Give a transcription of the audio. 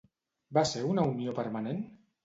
Va ser una unió permanent?